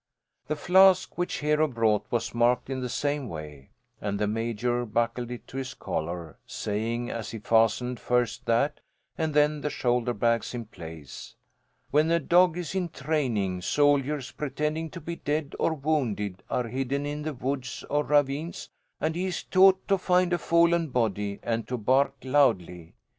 The flask which Hero brought was marked in the same way, and the Major buckled it to his collar, saying, as he fastened first that and then the shoulder bags in place, "When a dog is in training, soldiers, pretending to be dead or wounded, are hidden in the woods or ravines and he is taught to find a fallen body, and to bark loudly.